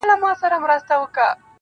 • او په تصوير كي مي.